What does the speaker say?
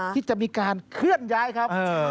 ที่จะมีการเคลื่อนย้ายครับ